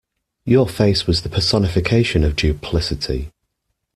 Your face was the personification of duplicity.